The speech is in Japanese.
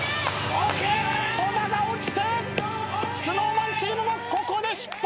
そばが落ちてＳｎｏｗＭａｎチームもここで失敗！